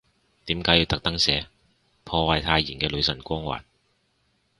點解要特登寫，破壞太妍嘅女神光環